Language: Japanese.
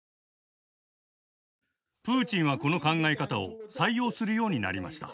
プーチンはこの考え方を採用するようになりました。